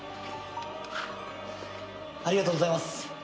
ありがとうございます！